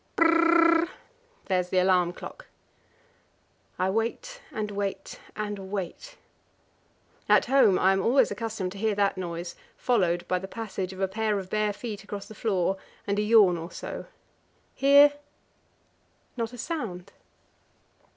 Br r r r r r! There's the alarm clock. I wait and wait and wait. At home I am always accustomed to hear that noise followed by the passage of a pair of bare feet across the floor, and a yawn or so. Here not a sound.